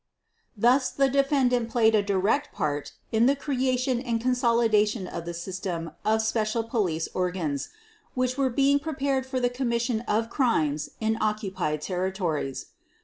Thus the defendant played a direct part in the creation and consolidation of the system of special police organs which were being prepared for the commission of crimes in occupied territories.